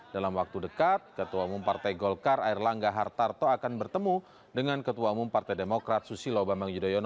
dalam waktu dekat ketua umum partai golkar air langga hartarto akan bertemu dengan ketua umum partai demokrat susilo bambang yudhoyono